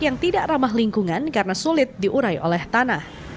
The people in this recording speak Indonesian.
yang tidak ramah lingkungan karena sulit diurai oleh tanah